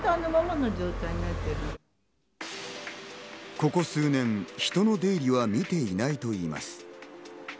ここ数年、人の出入りは見ていないといいます。